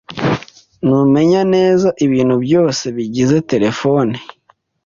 Numenya neza ibintu byose bigize terefone